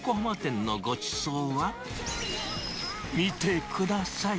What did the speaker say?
駅直結のそごう横浜店のごちそうは、見てください。